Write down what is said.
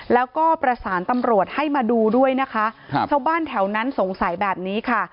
แล้วก็ประสานตำรวจให้มาดูด้วยนะคะครับชาวบ้านแถวนั้นสงสัยแบบนี้ค่ะ